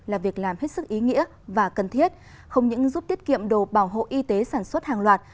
là việc làm hết sức ý nghĩa và cần thiết không những giúp tiết kiệm đồ bảo hộ y tế sản xuất hàng loạt